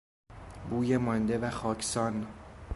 بوی مانده و خاکسان